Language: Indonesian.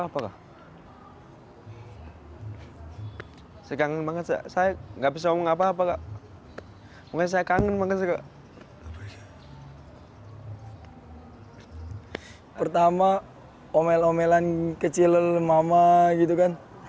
apakah pertama omel omelan kecil mama gitu kan